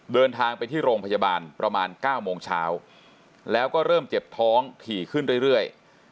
เดินทางไปที่โรงพยาบาลประมาณ๙โมงเช้าแล้วก็เริ่มเจ็บท้องถี่ขึ้นเรื่อย